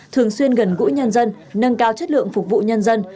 thường xuyên gần gũi nhân dân nâng cao chất lượng phục vụ nhân dân